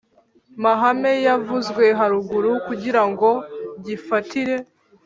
Mahame yavuzwe haruguru kugira ngo gifatire